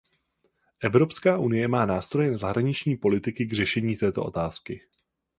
Evropská unie má nástroje zahraniční politiky k řešení této otázky.